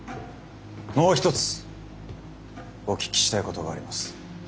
もう一つお聞きしたいことがあります。